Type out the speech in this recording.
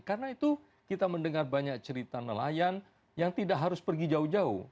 karena itu kita mendengar banyak cerita nelayan yang tidak harus pergi jauh jauh